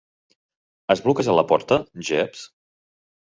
Has bloquejat la porta, Jeeves?